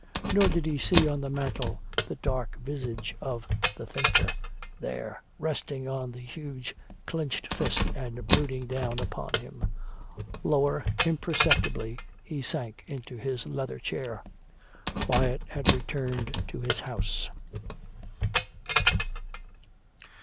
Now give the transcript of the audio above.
Nor did he see on the mantle the dark visage of "The Thinker" there, resting on the huge clinched fist and brooding down upon him. Lower, imperceptibly, he sank into his leather chair. Quiet had returned to his house.